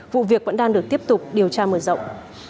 vụ việc vẫn đang được tiếp tục điều tra mở rộng